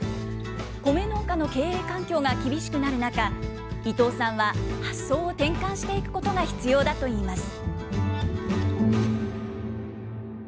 米農家の経営環境が厳しくなる中、伊藤さんは発想を転換していくことが必要だといいます。